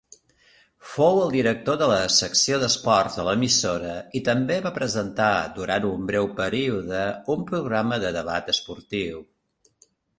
Fou el director de la secció d'esports de l'emissora i també va presentar durant un breu període un programa de debat esportiu.